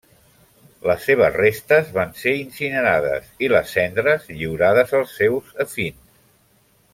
Les seves restes van ser incinerades, i les cendres lliurades als seus afins.